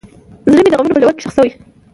زړه مې د غمونو په ژوره کې ښخ شو.